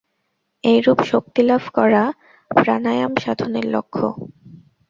এইরূপ শক্তিলাভ করা প্রাণায়াম-সাধনের লক্ষ্য।